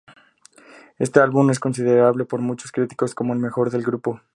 Este álbum es considerado por muchos críticos como el mejor del grupo.